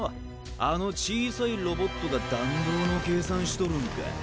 あの小さいロボットが弾道の計算しとるんか。